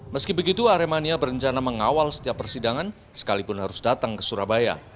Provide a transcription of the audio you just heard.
meski begitu aremania berencana mengawal setiap persidangan sekalipun harus datang ke surabaya